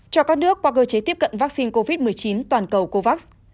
cho các nước qua cơ chế tiếp cận vaccine covid một mươi chín toàn cầu covax